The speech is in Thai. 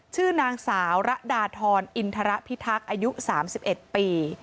ชื่อนางสาวระดาทรอินทรพิทักษ์อายุ๓๑ปี